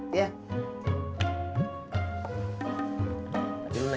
ini tinggal dibawa doang